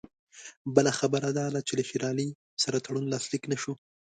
بله خبره دا ده چې له شېر علي سره تړون لاسلیک نه شو.